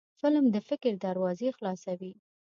فلم د فکر دروازې خلاصوي